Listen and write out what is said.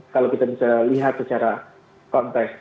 kalau kita bisa lihat secara konteks